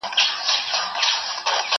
سر مي لوڅ دی پښې مي لوڅي په تن خوار یم